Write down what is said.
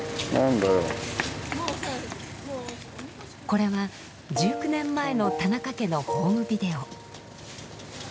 これは１９年前の田中家のホームビデオ。